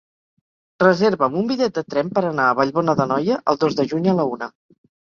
Reserva'm un bitllet de tren per anar a Vallbona d'Anoia el dos de juny a la una.